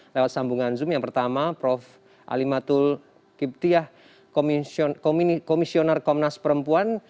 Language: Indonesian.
lewat sambungan zoom yang pertama prof alimatul kiptiah komisioner komnas perempuan